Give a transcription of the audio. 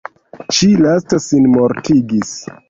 Ĉi lasta sin mortigis.